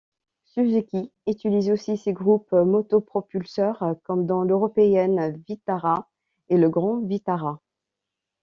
Suzuki utilise aussi ces groupes motopropulseurs comme dans l'européenne Vitara et le Grand Vitara.